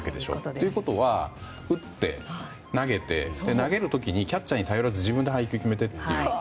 ということは、打って投げて投げる時にキャッチャーに頼らず自分で配球を決めている。